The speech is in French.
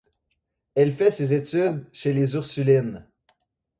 Elles fait ses études chez les Ursulines.